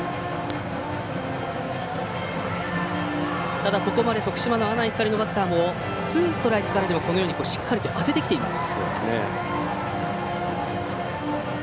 ただ、ここまで徳島の阿南光のバッターもツーストライクからでもしっかりと当ててきています。